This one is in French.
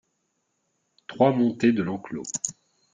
trois montée de l'Enclos